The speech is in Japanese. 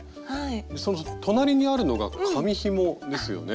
その隣にあるのが紙ひもですよね？